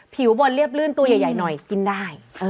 ผิวบอลเรียบลื่นตัวใหญ่หน่อยกินได้